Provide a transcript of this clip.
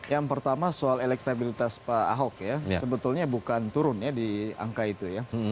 yang pertama soal elektabilitas pak ahok ya sebetulnya bukan turun ya di angka itu ya